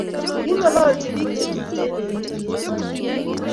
kikingololchi pik che Tuten en tuyet noton